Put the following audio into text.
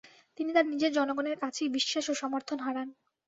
তিনি তার নিজের জনগণের কাছেই বিশ্বাস ও সমর্থন হারান।